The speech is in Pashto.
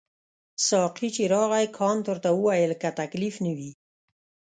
ساقي چې راغی کانت ورته وویل که تکلیف نه وي.